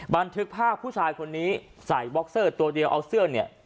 บันทึกภาพผู้ชายคนนี้ใส่บ็อกเซอร์ตัวเดียวเอาเสื้อเนี่ย